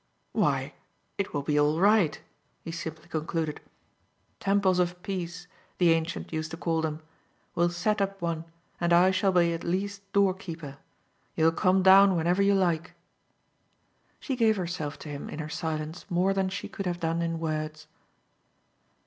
"Why, it will be all right," he simply concluded. "Temples of peace, the ancients used to call them. We'll set up one, and I shall be at least doorkeeper. You'll come down whenever you like." She gave herself to him in her silence more than she could have done in words.